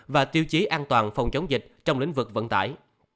và tiêu chí an toàn phòng chống dịch trong lĩnh vực vận tải